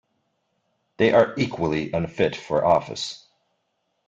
They are equally unfit for office